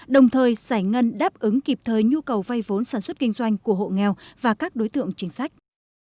đồng thời giải ngân đáp ứng kịp thời nhu cầu vay vốn sản xuất kinh doanh của hộ nghèo và các đối tượng chính sách